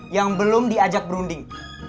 yang belum diajak berunding